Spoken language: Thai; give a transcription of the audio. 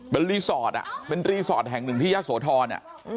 เป็นรีสอร์ทเป็นรีสอร์ทแห่งหนึ่งที่ยะโสธร